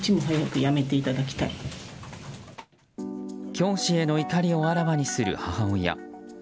教師への怒りをあらわにする母親。